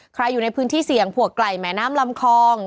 อยู่ในพื้นที่เสี่ยงผัวไก่แหมน้ำลำคอง